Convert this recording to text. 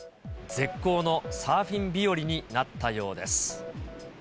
絶好のサーフィン日和になったようです。